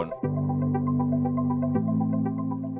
kondisi udara yang terus membutuhkan